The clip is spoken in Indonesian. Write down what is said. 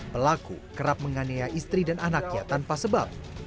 pelaku kerap menganiaya istri dan anaknya tanpa sebab